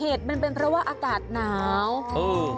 เหตุมันเป็นเพราะว่าอากาศหนาวอืม